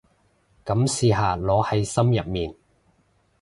噉試下擺喺心入面